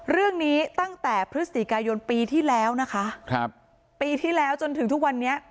เรื่องนี้ตั้งแต่พฤศจิกายนปีที่แล้วนะคะครับปีที่แล้วจนถึงทุกวันนี้